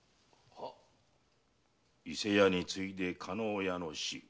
伊勢屋に次いで加納屋の死。